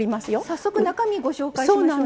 早速中身ご紹介しましょう。